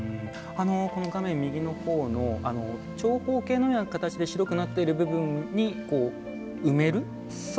この画面右のほうの長方形のような形で白くなっている部分に埋める？